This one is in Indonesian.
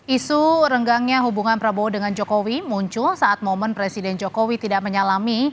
isu renggangnya hubungan prabowo dengan jokowi muncul saat momen presiden jokowi tidak menyalami